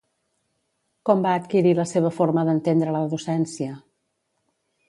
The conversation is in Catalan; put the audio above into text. Com va adquirir la seva forma d'entendre la docència?